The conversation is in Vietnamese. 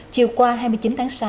chiều qua hai mươi chín tháng sáu